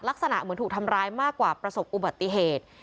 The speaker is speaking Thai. ลักษณะเหมือนถูกทำร้ายมากกว่าประสบอุบัติเหตุ